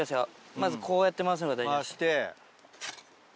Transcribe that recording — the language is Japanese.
まずこうやって回すのが大事なんです。